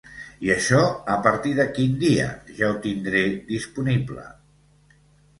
I això a partir de quin dia ja ho tindré disponible?